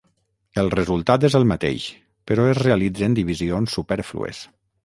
El resultat és el mateix, però es realitzen divisions supèrflues.